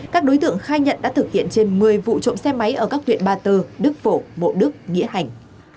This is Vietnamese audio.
các đối tượng khai nhận đã thực hiện trên một mươi vụ trộm xe máy ở các huyện ba tơ đức phổ bộ đức nghĩa hành